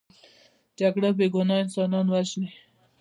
جګړه بې ګناه انسانان وژني